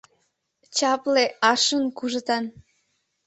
Чапле, аршын кужытан.